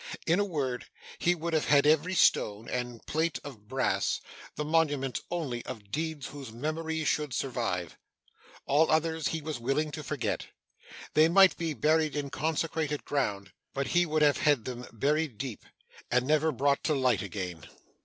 In a word, he would have had every stone, and plate of brass, the monument only of deeds whose memory should survive. All others he was willing to forget. They might be buried in consecrated ground, but he would have had them buried deep, and never brought to light again.